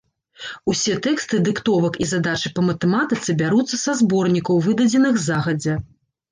Усе тэксты дыктовак і задачы па матэматыцы бяруцца са зборнікаў, выдадзеных загадзя.